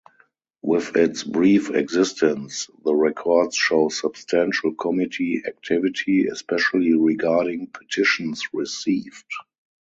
With its brief existence, the records show substantial committee activity, especially regarding petitions received.